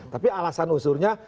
tapi alasan usurnya